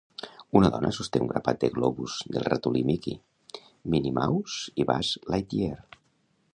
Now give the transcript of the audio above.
Una dona sosté un grapat de globus del Ratolí Mickey, Minnie Mouse i Buzz Lightyear.